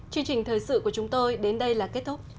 chương trình thời sự của chúng tôi đến đây là kết thúc